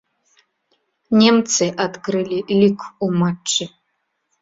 Немцы адкрылі лік ў матчы.